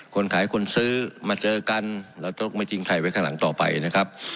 คนขายคนซื้อมาเจอกันเราต้องไม่ทิ้งใครไว้ข้างหลังต่อไปนะครับ